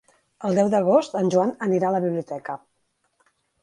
El deu d'agost en Joan anirà a la biblioteca.